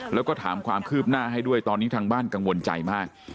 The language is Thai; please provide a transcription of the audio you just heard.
แล้วก็ถามความคืบหน้าให้ด้วยตอนนี้ทางบ้านกังวลใจมาก